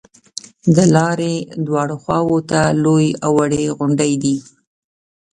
د لارې دواړو خواو ته لویې او وړې غونډې دي.